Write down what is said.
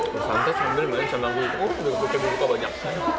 bersantai sambil main sambal buka banyak